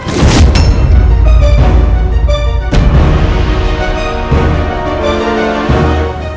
dia sudah berhenti